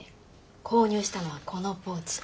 購入したのはこのポーチ。